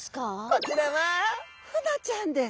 こちらはフナちゃんです。